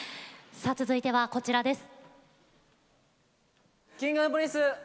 続いてはこちらです。